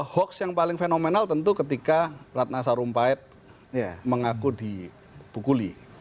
hoax yang paling fenomenal tentu ketika ratna sarumpait mengaku dipukuli